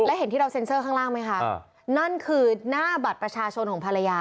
แล้วเห็นที่เราเซ็นเซอร์ข้างล่างไหมคะนั่นคือหน้าบัตรประชาชนของภรรยา